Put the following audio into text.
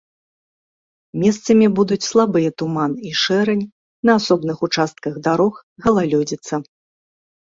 Месцамі будуць слабыя туман і шэрань, на асобных участках дарог галалёдзіца.